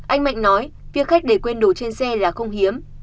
anh mạnh nói việc khách để quên đồ trên xe là không hiếm